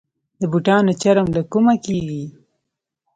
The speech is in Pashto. د بوټانو چرم له کومه کیږي؟